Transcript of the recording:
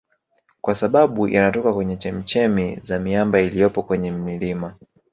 Kwa sababu yanatoka kwenye chemichemi za miamba iliyopo kwenye milima